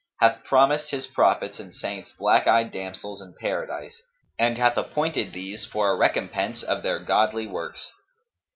hath promised His prophets and saints black eyed damsels in Paradise and hath appointed these for a recompense of their godly works.